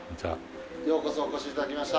ようこそお越し頂きました。